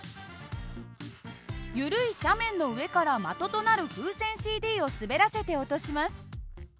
緩い斜面の上から的となる風船ＣＤを滑らせて落とします。